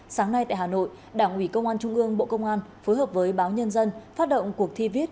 sáng nay tại hà nội đảng ủy công an trung ương bộ công an phối hợp với báo nhân dân phát động cuộc thi viết